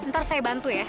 ntar saya bantu ya